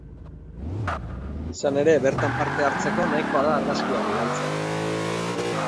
Izan ere, bertan parte hartzeko, nahikoa da argazki bat bidaltzea.